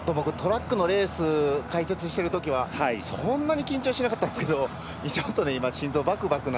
トラックのレースを解説しているときはそんなに緊張しなかったんですけど